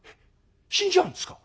「死んじゃうんですか？